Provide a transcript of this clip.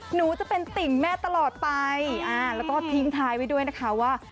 หนูจะเป็นติ่งแม่ตลอดไปอ่าแล้วก็ทิ้งท้ายไว้ด้วยนะคะว่า